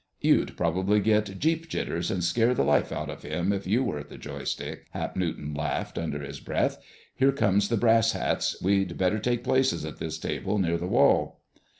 "You'd probably get 'jeep jitters' and scare the life out of him if you were at the joy stick," Hap Newton laughed under his breath. "Here come the brass hats! We'd better take places at this table, near the wall."